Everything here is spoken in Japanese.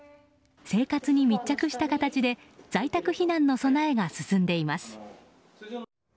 生活に密着した形で在宅避難の備えが進んでいます。